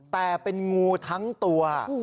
แต่เป็นงูทั้งตัว